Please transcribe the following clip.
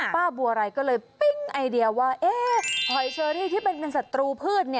บัวไรก็เลยปิ้งไอเดียว่าหอยเชอรี่ที่เป็นศัตรูพืช